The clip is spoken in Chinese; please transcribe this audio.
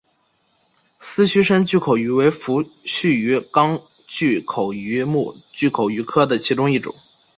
丝须深巨口鱼为辐鳍鱼纲巨口鱼目巨口鱼科的其中一种。